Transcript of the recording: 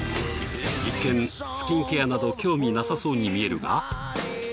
一見スキンケアなど興味なさそうに見えるが。